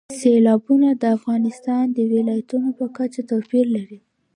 سیلابونه د افغانستان د ولایاتو په کچه توپیر لري.